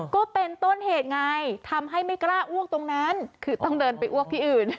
ก็เป็นต้นเหตุไงทำให้ไม่กล้าอ้วกตรงนั้นคือต้องเดินไปอ้วกที่อื่น